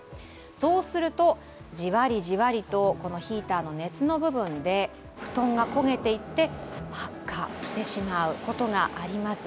そうするとじわりじわりとヒーターの熱の部分で布団が焦げていって発火してしまうことがあります。